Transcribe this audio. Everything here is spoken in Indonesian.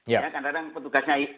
ya kadang kadang petugasnya